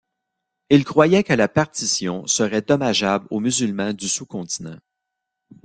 Il croyait que la partition serait dommageable aux musulmans du sous-continent.